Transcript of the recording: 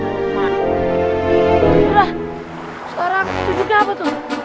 wah seorang petunjuknya apa tuh